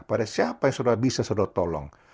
pada siapa yang saudara bisa saudara tolong